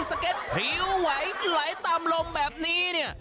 สะเก็ดพริ้วไหวไหลตามลมแบบนี้นี่